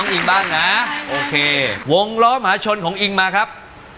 โอเควงล้อมหาชนของอิงมาครับ